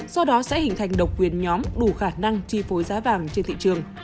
do đó sẽ hình thành độc quyền nhóm đủ khả năng chi phối giá vàng trên thị trường